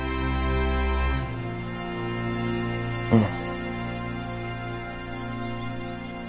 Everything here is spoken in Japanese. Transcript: うん。